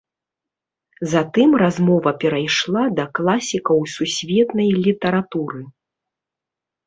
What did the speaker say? Затым размова перайшла да класікаў сусветнай літаратуры.